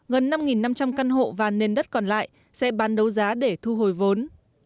gần năm năm trăm linh căn hộ và nền đất còn lại sẽ bán đấu giá để thu hồi vốn